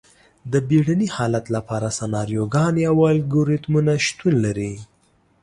د بیړني حالت لپاره سناریوګانې او الګوریتمونه شتون لري.